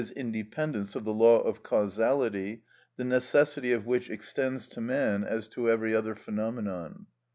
_, independence of the law of causality, the necessity of which extends to man as to every other phenomenon.